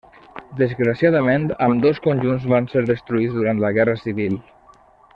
Desgraciadament ambdós conjunts van ser destruïts durant la guerra civil.